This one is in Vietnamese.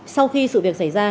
sau khi sự việc xảy ra